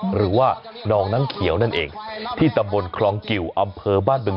หรือว่าน้องน้ำเขียวนั่นเองที่ตำบลคลองกิวอำเภอบ้านบึง